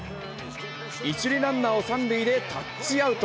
１塁ランナーを３塁でタッチアウト。